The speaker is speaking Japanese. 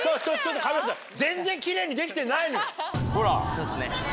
そうっすね。